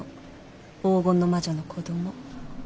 黄金の魔女の子供。